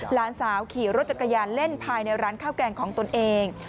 หลานสาวขี่รถจักรยานเล่นภายในร้านข้าวแกงของตนเอง